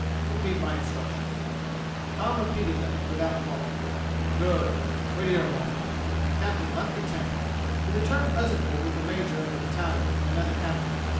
"Repeat my instructions." Tom repeated them without fault. "Good! Wait here for a moment." The Captain left the tent. He returned presently with the Major of the battalion and another Captain.